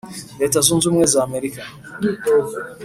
Leta z’unze ubumwe z’amerika.